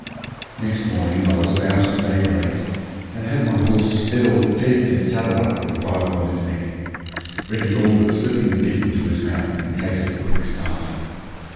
Next morning I was about at daybreak and had my horse fed and saddled up with the bridle on his neck, ready all but slipping the bit into his mouth, in case of a quick start.